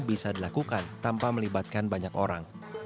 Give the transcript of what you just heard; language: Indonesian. bisa dilakukan tanpa melibatkan banyak orang